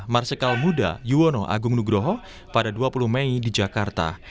marsikal muda yuwono agung nugroho pada dua puluh mei di jakarta